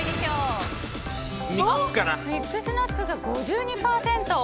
ミックスナッツが５２％。